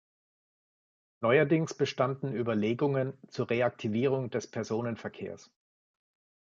Neuerdings bestanden Überlegungen zur Reaktivierung des Personenverkehrs.